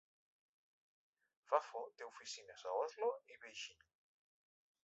Fafo té oficines a Oslo i Beijing.